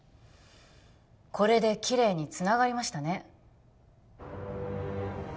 これできれいにつながりましたね